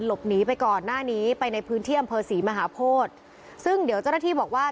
หลบหนีไปก่อนหน้านี้ไปในพื้นที่อำเภอศรีมหาโพธิซึ่งเดี๋ยวเจ้าหน้าที่บอกว่า